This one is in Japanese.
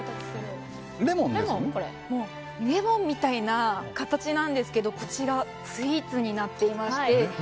レモンみたいな形なんですけどこちらスイーツになっていまして。